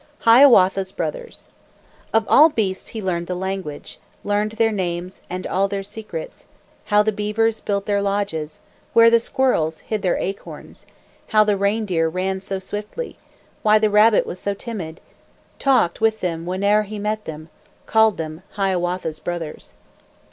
HIAWATHA'S BROTHERS Of all beasts he learned the language, Learned their names and all their secrets, How the beavers built their lodges, Where the squirrels hid their acorns, How the reindeer ran so swiftly, Why the rabbit was so timid, Talked with them whene'er he met them, Called them "Hiawatha's Brothers."